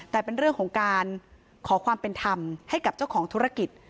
แต่เป็นเรื่องของการขอความเป็นธรรมให้กับเจ้าของธุรกิจ